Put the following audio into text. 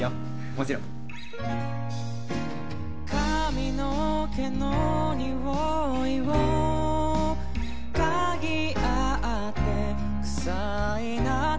もちろん髪の毛の匂いを嗅ぎあってくさいなあって